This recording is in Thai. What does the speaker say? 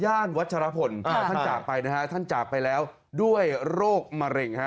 วัชรพลท่านจากไปนะฮะท่านจากไปแล้วด้วยโรคมะเร็งฮะ